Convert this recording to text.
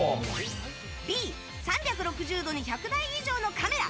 Ｂ、３６０度に１００台以上のカメラ！